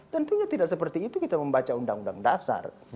tentunya tidak seperti itu kita membaca undang undang dasar